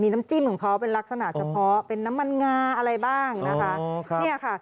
น้ำจิ้มของเขาเป็นลักษณะเฉพาะเป็นน้ำมันงาอะไรบ้างนะคะเนี่ยค่ะ